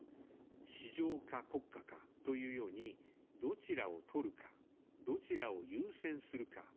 「市場か国家か」、というように、どちらを取るか、どちらを優先するか、という考え方でした。